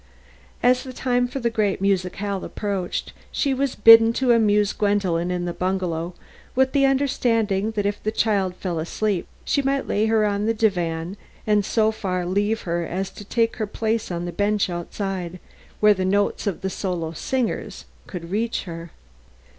As the time for the great musicale approached, she was bidden to amuse Gwendolen in the bungalow, with the understanding that if the child fell asleep she might lay her on the divan and so far leave her as to take her place on the bench outside where the notes of the solo singers could reach her.